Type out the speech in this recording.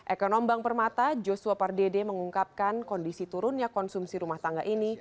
ekonom bank permata joshua pardede mengungkapkan kondisi turunnya konsumsi rumah tangga ini